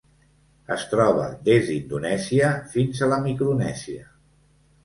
Es troba des d'Indonèsia fins a la Micronèsia.